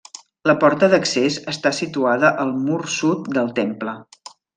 La porta d'accés està situada al mur sud del temple.